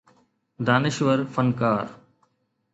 دانشور فنڪار